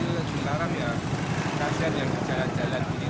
jadi kita salah satunya emang harus di pinggiran di depan di pinggiran pinggiran sini